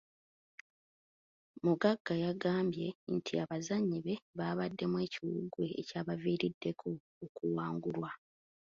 Muganga yagambye nti abazannyi be baabaddemu ekiwuggwe ekyabaviiriddeko okuwangulwa.